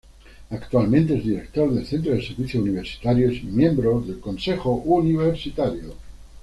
Actualmente es Director del Centro de Servicios Universitarios y miembro del Consejo Universitario.